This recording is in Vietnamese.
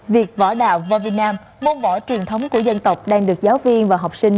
việc võ đạo qua việt nam môn võ truyền thống của dân tộc đang được giáo viên và học sinh